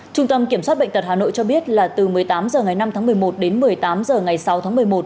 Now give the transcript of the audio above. trung tâm kiểm soát bệnh tật hà nội cho biết là từ một mươi tám h ngày năm tháng một mươi một đến một mươi tám h ngày sáu tháng một mươi một